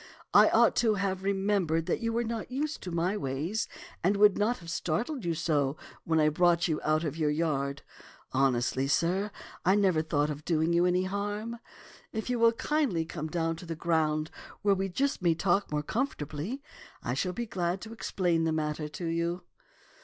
I ought to have remembered that you were not used to my ways and not to have startled you so when I brought you out of your yard. Honestly, sir, I never thought of doing you harm. If you will kindly come down to the ground where we may talk more comfortably, I shall be glad to explain the matter to you."